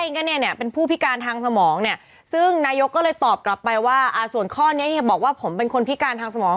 ก็เนี่ยเป็นผู้พิการทางสมองเนี่ยซึ่งนายกก็เลยตอบกลับไปว่าส่วนข้อนี้ที่บอกว่าผมเป็นคนพิการทางสมอง